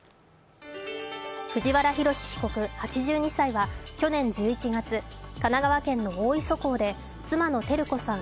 藤原宏被告８２歳は去年１１月神奈川県の大磯港で妻の照子さん